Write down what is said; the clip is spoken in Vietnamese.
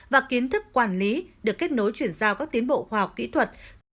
và kiến thức quản lý được kết nối chuyển giao các tiến bộ khoa học kỹ thuật